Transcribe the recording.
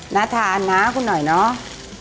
น้าทานน้ากูหน่อยเนอะ